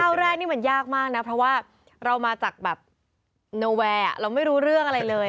แรกนี่มันยากมากนะเพราะว่าเรามาจากแบบโนแวร์เราไม่รู้เรื่องอะไรเลย